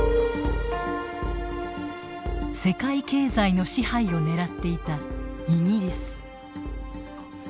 世界経済の支配をねらっていたイギリス。